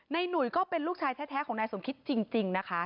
หนุ่ยก็เป็นลูกชายแท้ของนายสมคิตจริงนะคะ